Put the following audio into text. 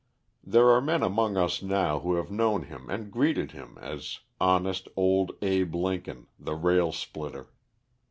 There are men among us now who have known him and greeted him as honest old Abe Lincoln, the rail splitter.